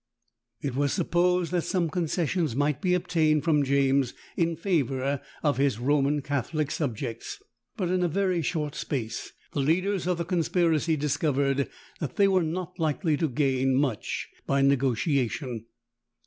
It was supposed that some concessions might be obtained from James in favour of his Roman Catholic subjects: but in a very short space the leaders of the conspiracy discovered, that they were not likely to gain much by negociation.